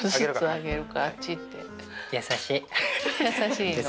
優しい。